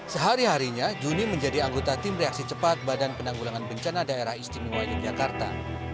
sehari harinya juni menjadi anggota tim reaksi cepat badan penanggulangan bencana daerah istimewa yogyakarta